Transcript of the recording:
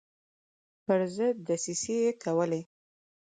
پر ضد دسیسې کولې.